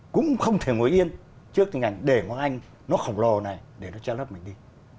cũng không thể ngồi yên trước ngành để một anh nó khổng lồ này để nó che lấp mình đi